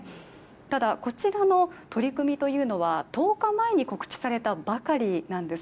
ただ、こちらの取り組みというのは１０日前に告知されたばかりなんです。